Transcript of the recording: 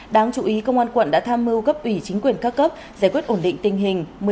đáng chú ý công an quận đã tham mưu cấp ủy chính quyền các cấp giải quyết ổn định tình hình